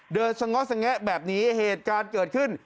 เดินสังเงาะแสงแงะแบบนี้เหตุการณ์เกิดขึ้น